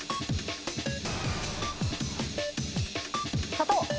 砂糖！